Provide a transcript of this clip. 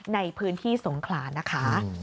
ในพื้นที่สงขลานะคะ